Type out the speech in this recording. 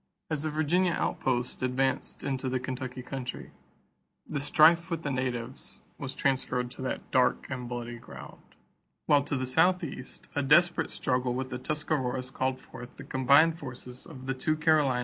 As the Virginia outposts advanced into the Kentucky country, the strife with the natives was transferred to that "dark and bloody ground"; while to the southeast, a desperate struggle with the Tuscaroras called forth the combined forces of the two Carolinas and Virginia.